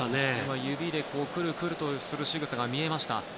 今、指でクルクルとするしぐさが見えました。